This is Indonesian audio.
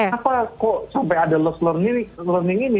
kenapa kok sampai ada lost learning ini